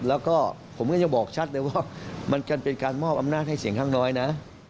แล้วก็ผมก็จะบอกชัดเลยว่ามันจะเป็นการมอบอำนาจให้เสียงข้างน้อยนะ